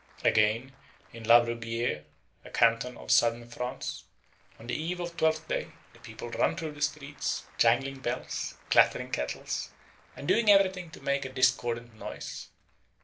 Again, in Labruguière, a canton of Southern France, on the eve of Twelfth Day the people run through the streets, jangling bells, clattering kettles, and doing everything to make a discordant noise.